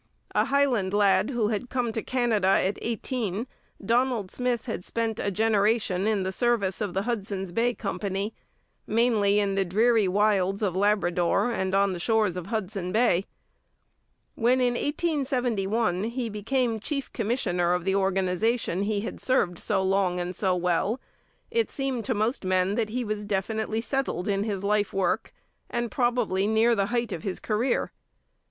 A Highland lad who had come to Canada at eighteen, Donald Smith had spent a generation in the service of the Hudson's Bay Company, mainly in the dreary wilds of Labrador and on the shores of Hudson Bay. When in 1871 he became chief commissioner of the organization he had served so long and so well, it seemed to most men that he was definitely settled in his life work and probably near the height of his career.